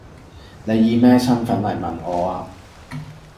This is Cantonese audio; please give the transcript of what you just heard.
你以咩身份嚟問我呀？